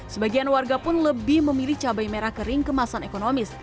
sebagian warga pun lebih memilih cabai merah kering kemasan ekonomis